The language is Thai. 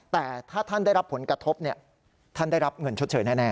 แต่ถ้าท่านได้รับผลกระทบท่านได้รับเงินชดเชยแน่